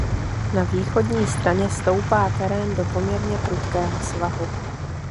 Na východní straně stoupá terén do poměrně prudkého svahu.